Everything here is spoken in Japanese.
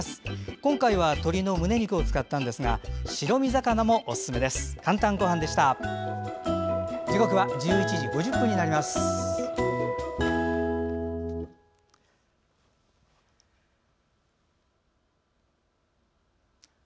今回は鶏のむね肉を使ったんですが白身魚もおすすめです。